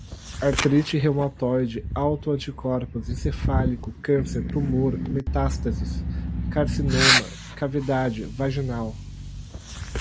artrite reumatoide, auto-anticorpos, encefálico, câncer, tumor, metástases, carcinoma, cavidade, vaginal